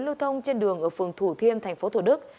lưu thông trên đường ở phường thủ thiêm tp thủ đức